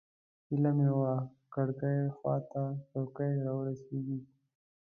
هیله مې وه کړکۍ خوا ته چوکۍ راورسېږي.